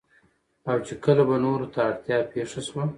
او چې کله به نورو ته اړتيا پېښه شوه